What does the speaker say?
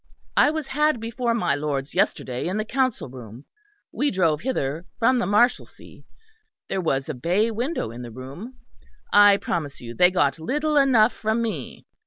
I was had before my lords yesterday in the Council room; we drove hither from the Marshalsea. There was a bay window in the room. I promise you they got little enough from me.